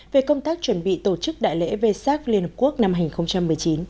về công tác chuẩn bị tổ chức đại lễ v sac liên hợp quốc năm hai nghìn một mươi chín